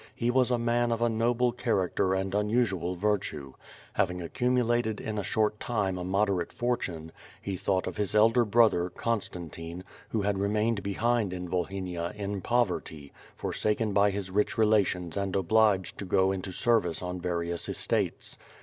He was a man of a noble character and unusual virtue. Having accumulated in a short time a moderate for tune, he thought of his elder brother, Constantine, who had remained behind in Volhynia in poverty, forsaken by his rich relations and obliged to go into service on various estates.